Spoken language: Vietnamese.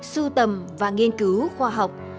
sưu tầm và nghiên cứu khoa học